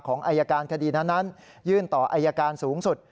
อายการคดีนั้นยื่นต่ออายการสูงสุด